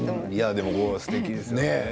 でも、すてきですよね。